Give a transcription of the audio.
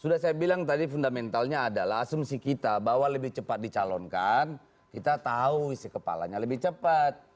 sudah saya bilang tadi fundamentalnya adalah asumsi kita bahwa lebih cepat dicalonkan kita tahu isi kepalanya lebih cepat